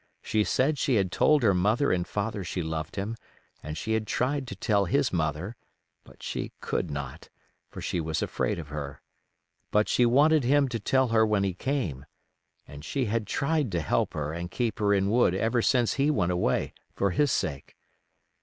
She said she had told her mother and father she loved him and she had tried to tell his mother, but she could not, for she was afraid of her; but she wanted him to tell her when he came; and she had tried to help her and keep her in wood ever since he went away, for his sake.